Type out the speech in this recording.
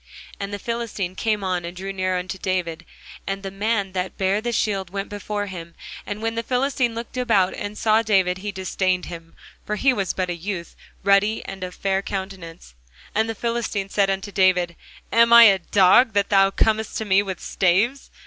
And the Philistine came on and drew near unto David; and the man that bare the shield went before him. And when the Philistine looked about, and saw David, he disdained him: for he was but a youth, and ruddy, and of a fair countenance. And the Philistine said unto David, Am I a dog, that thou comest to me with staves?